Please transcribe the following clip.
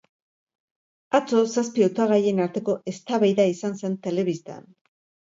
Atzo zazpi hautagaien arteko eztabaida izan zen telebistan.